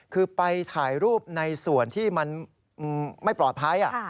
คือไปถ่ายรูปในส่วนที่มันไม่ปลอดภัย